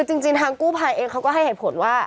จริงทางกู้ภัยเองเขาก็ให้เหตุผลว่า